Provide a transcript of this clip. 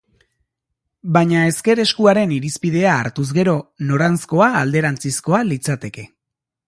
Baina ezker-eskuaren irizpidea hartuz gero, noranzkoa alderantzizkoa litzateke.